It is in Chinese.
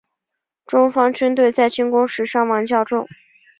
中方军队在进攻时伤亡较重。